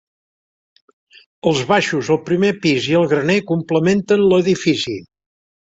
Els baixos, el primer pis i el graner complementen l'edifici.